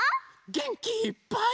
げんきいっぱい。